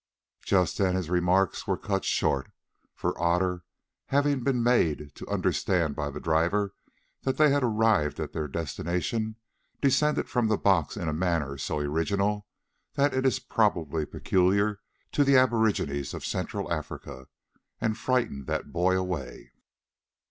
Just then his remarks were cut short, for Otter, having been made to understand by the driver that they had arrived at their destination, descended from the box in a manner so original, that it is probably peculiar to the aborigines of Central Africa, and frightened that boy away.